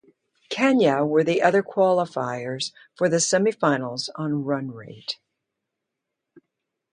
Kenya were the other qualifiers for the semi-finals, on run rate.